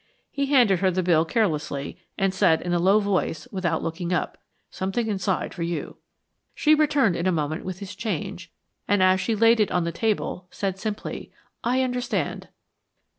He handed her the bill carelessly, and said in a low voice, without looking up, "Something inside for you." She returned in a moment with his change, and as she laid it on the table, said simply, "I understand."